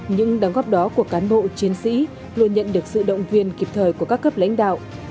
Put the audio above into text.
những đóng góp đó của cán bộ chiến sĩ luôn nhận được sự động viên kịp thời của các cấp lãnh đạo